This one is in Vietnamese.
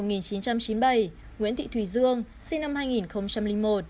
nguyễn thị thùy dương sinh năm hai nghìn một